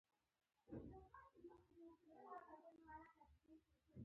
د بخار ماشین د حرکت څرنګوالي لپاره ګېر رامنځته کول.